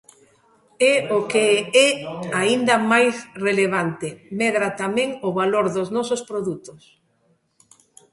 E o que é aínda máis relevante: medra tamén o valor dos nosos produtos.